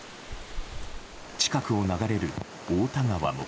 近くを流れる太田川も。